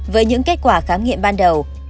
với những kết quả khám nghiệm ban đầu